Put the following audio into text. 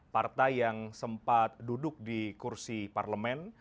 partai yang sempat duduk di kursi parlemen